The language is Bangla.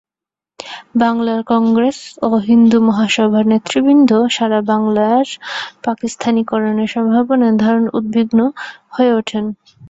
বাংলার কংগ্রেস ও হিন্দু মহাসভার নেতৃবৃন্দ সারা বাংলার পাকিস্তানিকরণের সম্ভাবনায় দারুণ উদ্বিগ্ন হয়ে ওঠেন।